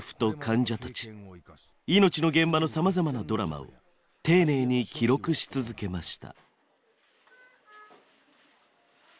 命の現場のさまざまなドラマを丁寧に記録し続けました。